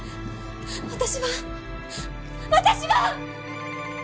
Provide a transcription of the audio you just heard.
私は私は！